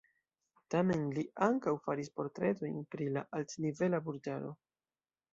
Tamen, li ankaŭ faris portretojn pri la altnivela burĝaro.